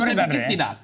saya pikir tidak